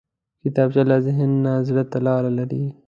کتابچه له ذهن نه زړه ته لاره لري